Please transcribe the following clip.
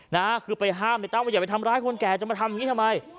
นะคือไปห้ามในตั้มว่าอย่าไปทำร้ายคนแก่จะมาทำอย่างงี้ทำไม